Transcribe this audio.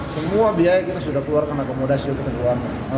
semua biaya kita sudah keluarkan akomodasi juga keluarkan